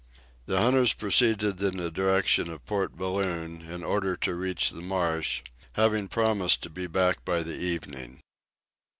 The hunters proceeded in the direction of Port Balloon, in order to reach the marsh, after having promised to be back by the evening.